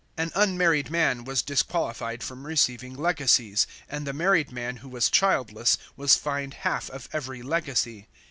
An unmarried man was disqualified from receiving legacies, and the married man who was childless was fined half of every legacy.